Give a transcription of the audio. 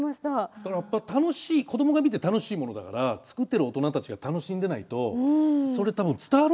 だからやっぱ楽しいこどもが見て楽しいものだから作ってる大人たちが楽しんでないとそれ多分伝わるんですよね。